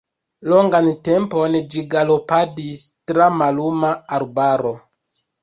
Longan tempon ĝi galopadis tra malluma arbaro.